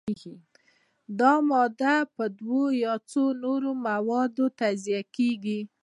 دا ماده په دوو یا څو نورو موادو تجزیه کیږي.